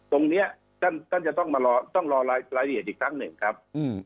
ตรงนี้ต้องรอรายละเอียดอีกครั้งหนึ่งครับ